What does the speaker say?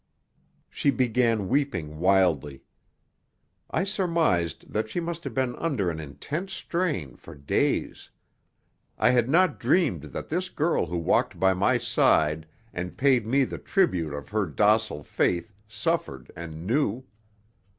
She began weeping wildly. I surmised that she must have been under an intense strain for days. I had not dreamed that this girl who walked by my side and paid me the tribute of her docile faith suffered and knew.